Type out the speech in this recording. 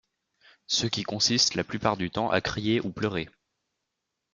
Ce qui consiste la plupart du temps à crier, ou pleurer.